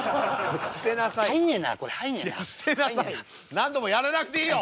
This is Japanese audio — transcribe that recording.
何度もやらなくていいの！